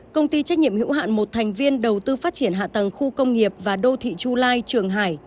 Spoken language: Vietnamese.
công ty trách nhiệm hữu hạn một thành viên đầu tư phát triển hạ tầng khu công nghiệp và đô thị chu lai trường hải